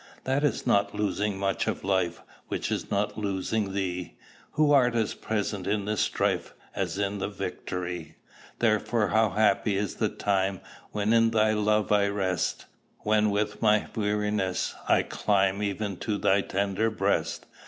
That is not losing much of life Which is not losing thee, Who art as present in the strife As in the victory. Therefore how happy is the time When in thy love I rest! When from my weariness I climb Even to thy tender breast!